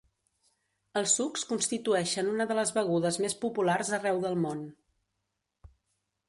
Els sucs constitueixen una de les begudes més populars arreu del món.